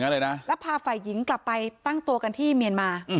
แล้วพาฝ่ายหญิงกลับไปตั้งตัวกันที่เมียนมา